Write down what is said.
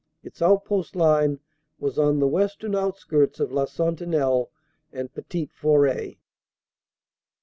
Its outpost line was on the western outskirts of La Sentinelle and Petite Foret.